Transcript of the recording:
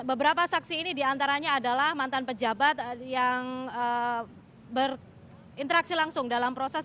beberapa saksi ini diantaranya adalah mantan pejabat yang berinteraksi langsung dalam proses